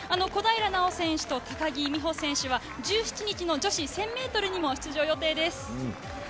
小平奈緒選手と高木美帆選手は１７日の女子１０００ｍにも出場予定です。